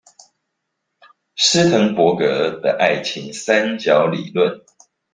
斯騰伯格的愛情三角理論